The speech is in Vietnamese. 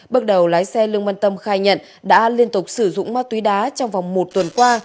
bước đầu lái xe lương văn tâm khai nhận đã liên tục sử dụng ma túy đá trong vòng một tuần qua